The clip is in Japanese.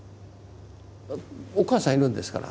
お母さんいるんですから。